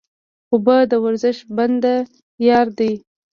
اوبه د ورزش بنده یار دی